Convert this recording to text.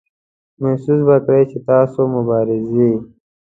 محسوس به کړئ چې ستاسو مبارزې.